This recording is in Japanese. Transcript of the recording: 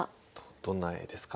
どんな絵ですか？